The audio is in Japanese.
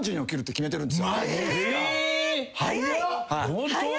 ホント！？